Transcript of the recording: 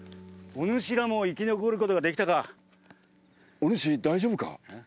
お主大丈夫か？